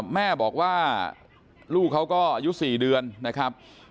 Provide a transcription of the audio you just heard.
แม่บอกว่าลูกเขาก็อายุ๔เดือนนะครับ